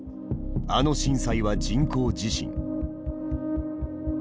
「あの震災は人工地震！」。